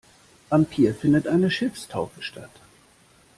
Am Pier findet eine Schiffstaufe statt.